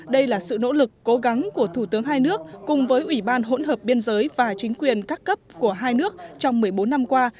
đây là sự nỗ lực cố gắng của thủ tướng hai nước cùng với ủy ban hỗn hợp biên giới và chính quyền các cấp của hai nước trong một mươi bốn năm qua